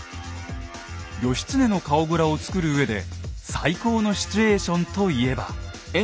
義経の顔グラを作るうえで最高のシチュエーションといえば。